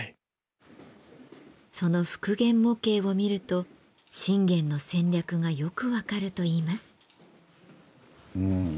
その復元模型を見ると信玄の戦略がよく分かるといいます。